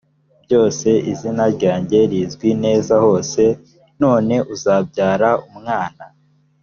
byose izina ryange rizwi neza hose none uzabyara umwana